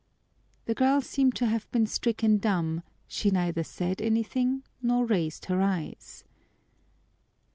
The girl seemed to have been stricken dumb; she neither said anything nor raised her eyes.